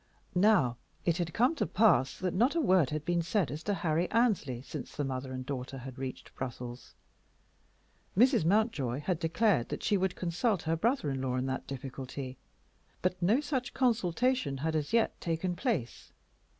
Now, it had come to pass that not a word had been said as to Harry Annesley since the mother and daughter had reached Brussels. Mrs. Mountjoy had declared that she would consult her brother in law in that difficulty, but no such consultation had as yet taken place.